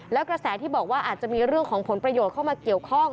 แล้วกระแสที่บอกว่าอาจจะมีเรื่องของผลประโยชน์เข้ามาเกี่ยวข้อง